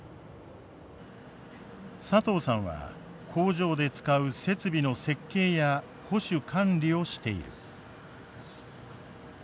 佐藤さんは工場で使う設備の設計や保守管理をしている。